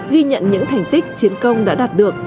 ghi nhận những thành tích chiến công đã đạt được